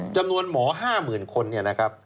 จำนวนหมอห้าหมื่นคน